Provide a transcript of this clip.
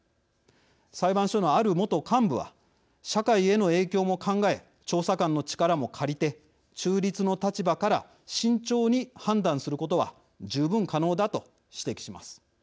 裁判所の、ある元幹部は社会への影響も考え調査官の力も借りて中立の立場から慎重に判断することは十分可能だと指摘します。